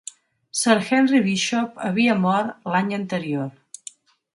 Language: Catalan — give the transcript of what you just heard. Sir Henry Bishop havia mort l'any anterior.